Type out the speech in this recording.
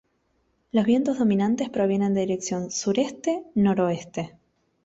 Los vientos dominantes provienen de dirección sureste-noroeste.